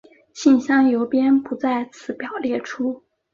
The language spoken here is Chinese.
信箱邮编不在此表列出。